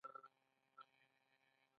د بیان ازادي مهمه ده ځکه چې د ذهن ازادي ده.